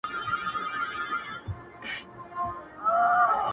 له ګنجي سره را ستون تر خپل دوکان سو!.